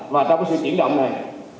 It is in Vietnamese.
và trong cái sự diễn động này